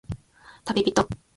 たびびと